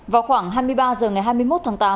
vào khoảng hai mươi ba h ngày hai mươi một tháng tám